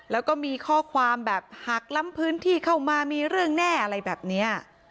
แล้วก็มีข้อความแบบหักล้ำพื้นที่เข้ามามีเรื่องแน่อะไรแบบนี้